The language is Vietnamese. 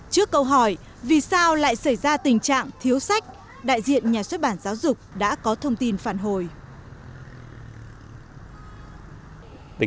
trước câu hỏi vì sao lại xảy ra tình trạng thiếu sách đại diện nhà xuất bản giáo dục đã có thông tin phản hồi